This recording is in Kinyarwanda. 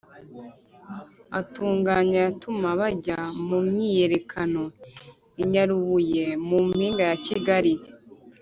atunganye yatuma bajya mu myiyerekano i nyarubuye (mu mpiga ya kigali